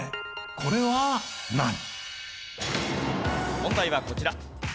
問題はこちら。